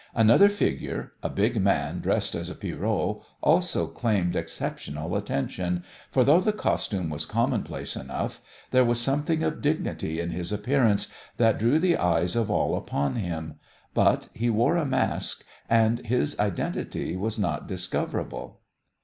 Another figure, a big man dressed as a Pierrot, also claimed exceptional attention, for though the costume was commonplace enough, there was something of dignity in his appearance that drew the eyes of all upon him. But he wore a mask, and his identity was not discoverable.